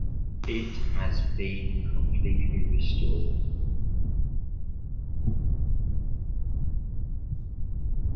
It has been completely restored.